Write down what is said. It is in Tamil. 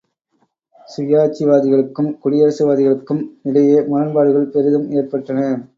சுயாட்சிவாதிகளுக்கும், குடியரசுவாதிகளுக்கும் இடையே முரண்பாடுகள் பெரிதும் ஏற்பட்டன.